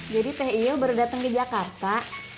jadi teh iyo baru datang ke jakarta